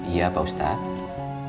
iya pak ustadz